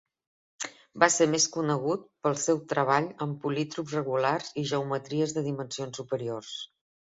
Va ser més conegut pel seu treball en polítops regulars i geometries de dimensions superiors.